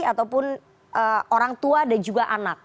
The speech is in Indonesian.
ataupun orang tua dan juga anak